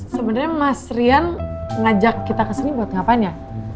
sebenarnya mas rian ngajak kita kesini buat ngapain ya